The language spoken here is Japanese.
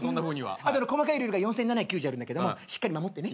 あと細かいルールが４，７９０あるんだけどしっかり守ってね。